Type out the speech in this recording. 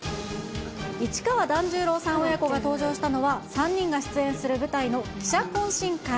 市川團十郎さん親子が登場したのは、３人が出演する舞台の記者懇親会。